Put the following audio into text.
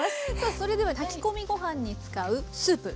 それでは炊き込みご飯に使うスープ。